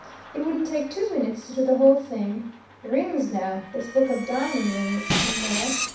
It wouldn't take two minutes to do the whole thing. Rings, now! They spoke of diamond rings, in there.